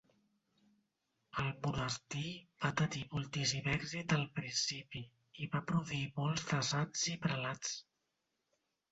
El monestir va tenir moltíssim èxit al principi, i va produir molts de sants i prelats.